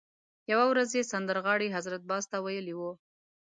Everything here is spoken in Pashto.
یوه ورځ یې سندرغاړي حضرت باز ته ویلي وو.